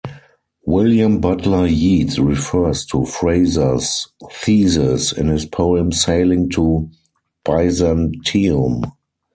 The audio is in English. William Butler Yeats refers to Frazer's thesis in his poem "Sailing to Byzantium".